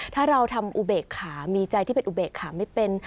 ถ้าเราทำอุเบกขามีใจที่เป็นอุเบกขาไม่เป็น